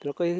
nó có cái